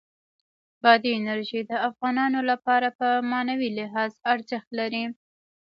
بادي انرژي د افغانانو لپاره په معنوي لحاظ ارزښت لري.